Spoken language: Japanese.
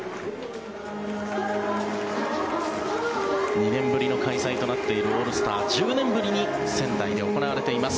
２年ぶりの開催となっているオールスター１０年ぶりに仙台で行われています。